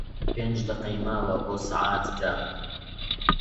پێنج دەقەی ماوە بۆ سەعات دە.